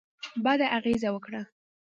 بده اغېزه وکړه.